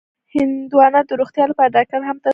هندوانه د روغتیا لپاره ډاکټر هم توصیه کوي.